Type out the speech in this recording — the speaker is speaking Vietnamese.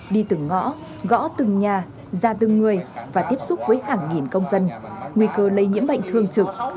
đi từng ngõ gõ từng nhà ra từng người và tiếp xúc với hàng nghìn công dân nguy cơ lây nhiễm bệnh thường trực